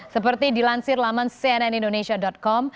seperti dilansir laman cnnindonesia com